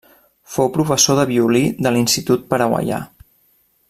Fou professor de violí de l'Institut Paraguaià.